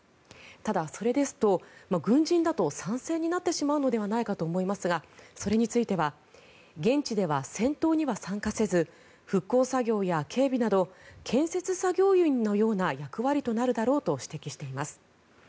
ただ、それですと軍人だと参戦になってしまうのではないかと思いますがそれについては現地では戦闘には参加せず復興作業や警備など建設作業員のような役割となるだろうと指摘しています。